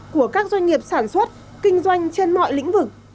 của các doanh nghiệp sản xuất kinh doanh trên mọi lĩnh vực